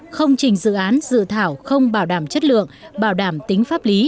không trình dự án dự thảo không bảo đảm chất lượng bảo đảm tính pháp lý